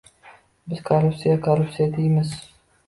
Biz korruptsiya, korrupsiya deymiz